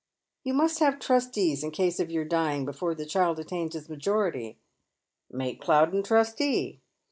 " You must have trustees in case of your dying before the child attains his majority." " Make Plowden trustee."